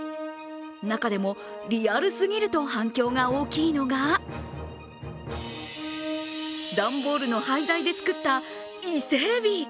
中でもリアルすぎると反響が大きいのが段ボールの廃材で作った伊勢エビ。